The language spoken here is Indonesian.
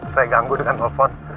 saya ganggu dengan telepon